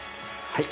はい。